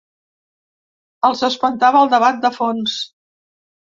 Els espantava el debat de fons.